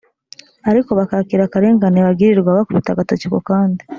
ariko bakakira akarengane bagirirwa bakubita agatoki ku kandi